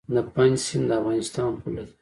د پنج سیند د افغانستان پوله ده